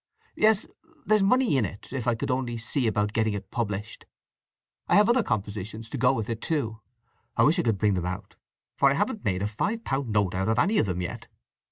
Yes, there's money in it, if I could only see about getting it published. I have other compositions to go with it, too; I wish I could bring them out; for I haven't made a five pound note out of any of them yet.